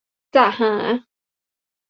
จะหา